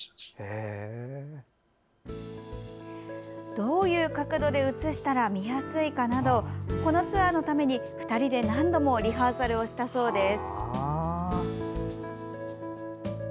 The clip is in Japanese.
どういう角度で映したら見やすいかなどこのツアーのために、２人で何度もリハーサルをしたそうです。